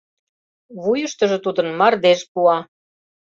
Вуйыштыжо тудын мардеж пуа.